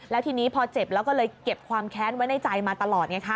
แล้วทีนี้พอเจ็บแล้วก็เลยเก็บความแค้นไว้ในใจมาตลอดไงคะ